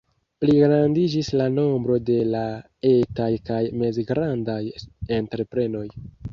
Pligrandiĝis la nombro de la etaj kaj mezgrandaj entreprenoj.